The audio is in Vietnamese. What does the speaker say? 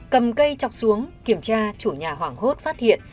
cầm cây chọc xuống kiểm tra chủ nhà hoảng hốt phát hiện